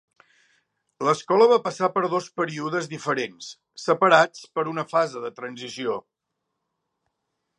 L'escola va passar per dos períodes diferents, separats per una fase de transició.